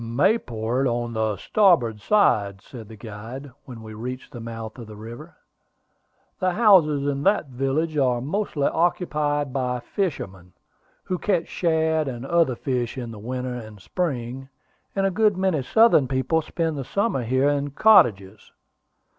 "Mayport on the starboard hand," said the guide, when we had reached the mouth of the river. "The houses in that village are mostly occupied by fishermen, who catch shad and other fish in the winter and spring, and a good many southern people spend the summer here in cottages."